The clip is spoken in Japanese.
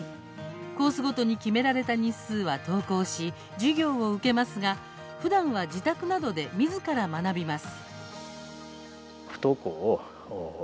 コースごとに決められた日数は登校し授業を受けますがふだんは自宅などでみずから学びます。